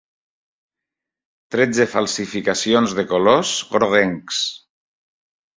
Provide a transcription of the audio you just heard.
Tretze falsificacions de colors groguencs.